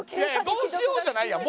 「どうしよう？」じゃないやん。